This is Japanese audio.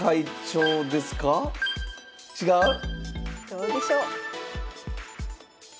どうでしょう。